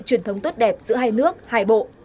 truyền thống tốt đẹp giữa hai nước hai bộ